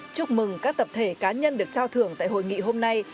chúc mừng các tập thể cá nhân được trao thưởng tại hội nghị hôm nay